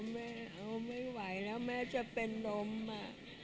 แม่เอาไม่ไหวแล้วแม่จะเป็นลมอ่ะ